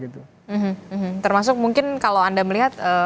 termasuk mungkin kalau anda melihat